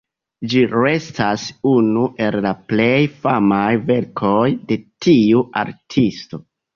Ĝi restas unu el la plej famaj verkoj de tiu artisto.